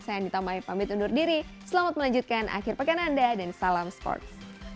saya anita mai pamit undur diri selamat melanjutkan akhir pekan anda dan salam sports